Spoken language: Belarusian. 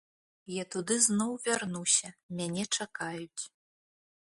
Я туды зноў вярнуся, мяне чакаюць.